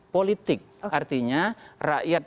politik artinya rakyat